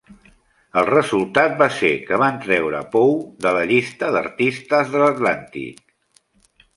El resultat va ser que van treure Poe de la llista d'artistes de l'Atlàntic.